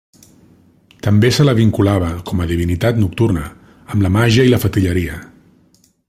També se la vinculava, com a divinitat nocturna, amb la màgia i la fetilleria.